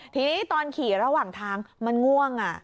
ทีนี้ตอนขี่ระหว่างทางมันง่วง